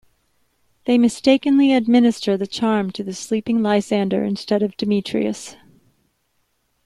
They mistakenly administer the charm to the sleeping Lysander instead of Demetrius.